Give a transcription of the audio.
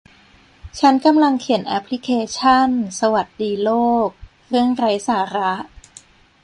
ฉันกำลังเขียนแอพพลิเคชั่น สวัสดีโลก เรื่องไร้สาระ